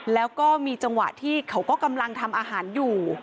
แล้วก็มีจังหวะที่เขาก็กำลังทำอาหารอยู่